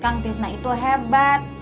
kang tisnak itu hebat